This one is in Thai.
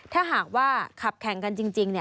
ถ้าหากว่าขับแข่งกันจริง